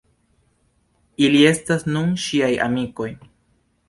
Ili estas nun ŝiaj amikoj.